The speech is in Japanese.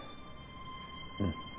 うん。